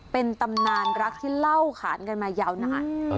เป็นตำนานรักที่เล่าขานกันมายาวนาน